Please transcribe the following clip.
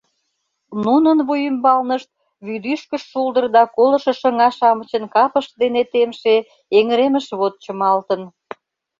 Нунын вуй ӱмбалнышт вӱдӱшкыж шулдыр да колышо шыҥа-шамычын капышт дене темше эҥыремышвот чымалтын.